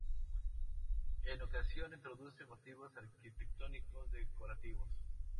En ocasiones introduce motivos arquitectónicos decorativos.